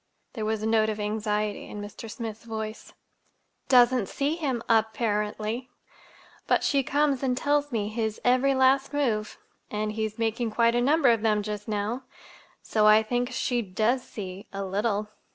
There was a note of anxiety in Mr. Smith's voice. "Doesn't see him, apparently. But she comes and tells me his every last move (and he's making quite a number of them just now!), so I think she does see—a little."